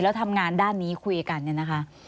แล้วทำงานด้านนี้คุยกัน